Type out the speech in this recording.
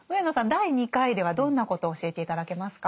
第２回ではどんなことを教えて頂けますか？